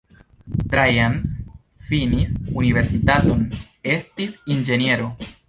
Trajan finis universitaton, estis inĝeniero.